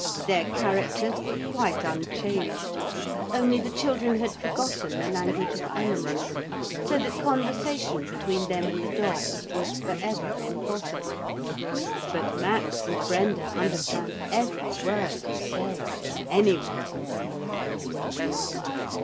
Their characters were quite unchanged. Only the children had forgotten the language of animals, so that conversation between them and the dogs was for ever impossible. But Max and Brenda understand every word you say any one can see that.